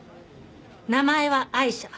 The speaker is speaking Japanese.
名前はアイシャ。